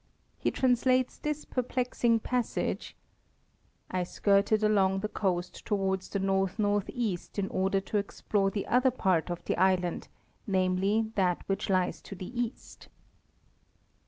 f He translates this perplexing passage, "I skirted along the coast towards the north northeast in order to explore the other part of the island, namely, that which lies to the east."